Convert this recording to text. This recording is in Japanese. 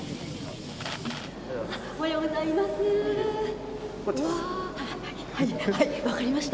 おはようございます。